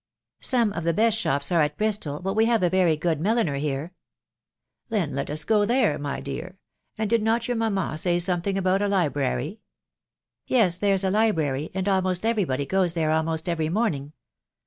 " Some of the best shops are at Bristol, but we have a verjr good milliner here." " Then let us go there, dear: ... And did not your mamma aay something about a library? "" Yes, there's the library, and almost every body goes there •almost every morning."